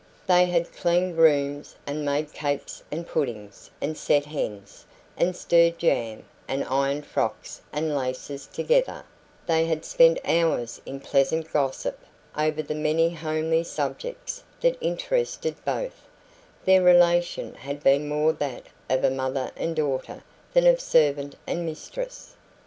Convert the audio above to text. They had cleaned rooms, and made cakes and puddings, and set hens, and stirred jam, and ironed frocks and laces together; they had spent hours in pleasant gossip over the many homely subjects that interested both; their relation had been more that of mother and daughter than of servant and mistress.